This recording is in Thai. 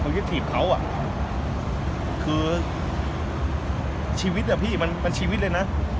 ความยุทธถีบเขาอ่ะคือชีวิตอ่ะพี่มันมันชีวิตเลยน่ะ